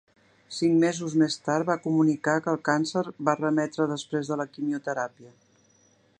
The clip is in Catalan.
Cinc mesos més tard va comunicar que el càncer va remetre després de la quimioteràpia.